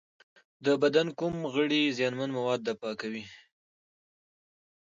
د بدن کوم غړي زیانمن مواد دفع کوي؟